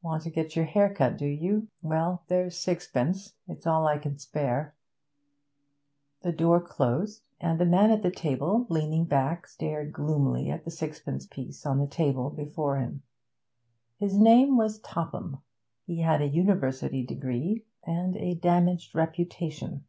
'Want to get your hair cut, do you? Well, there's sixpence, and it's all I can spare.' The door closed. And the man at the table, leaning back, stared gloomily at the sixpenny piece on the table before him. His name was Topham; he had a university degree and a damaged reputation.